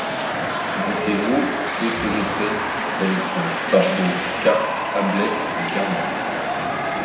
Dans ses eaux, d'autres espèces telles que: barbeaux, carpes, ablettes et gardons.